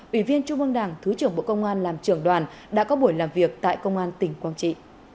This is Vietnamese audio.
ủy viên trung ương đảng thứ trưởng bộ công an làm trưởng đoàn đã có buổi làm việc tại công an tỉnh quảng trị